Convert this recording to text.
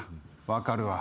分かるわ。